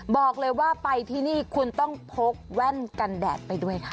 บอกเลยว่าไปที่นี่คุณต้องพกแว่นกันแดดไปด้วยค่ะ